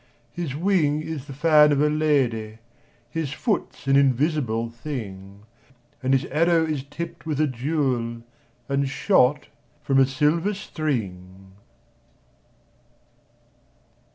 His wing is the fan of a lady, His foot's an invisible thing, And his arrow is tipped with a jewel, And shot from a silver string.